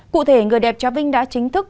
cụ thể người đẹp trà vinh đã chính thức